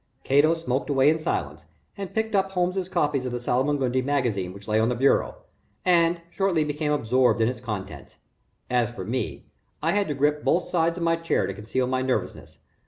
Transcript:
Cato smoked away in silence, and picked up Holmes's copy of the Salmagundi Magazine which lay on the bureau, and shortly became absorbed in its contents. As for me, I had to grip both sides of my chair to conceal my nervousness.